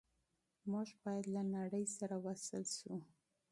موږ باید له نړۍ سره وصل شو.